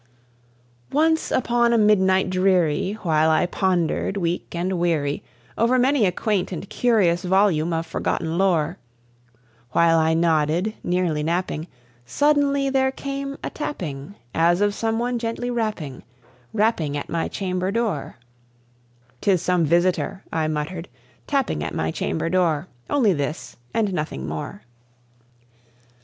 Once upon a midnight dreary, while I pondered, weak and weary, Over many a quaint and curious volume of forgotten lore While I nodded, nearly napping, suddenly there came a tapping, As of some one gently rapping, rapping at my chamber door" 'Tis some visitor," I muttered, "tapping at my chamber door Only this, and nothing more."